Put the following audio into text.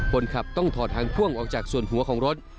คนขับต้องถอดทางพ่วงออกจากส่วนหัวของรถ